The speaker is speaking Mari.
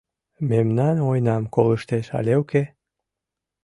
Мемнан ойнам колыштеш але уке?